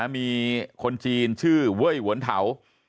มีคนจีนชื่อเว้ยหวนเถา